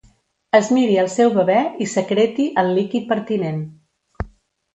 Es miri el seu bebè i secreti el líquid pertinent.